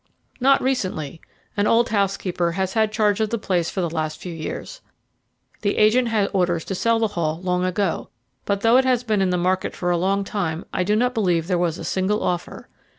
"Not recently. An old housekeeper has had charge of the place for the last few years. The agent had orders to sell the Hall long ago, but though it has been in the market for a long time I do not believe there was a single offer.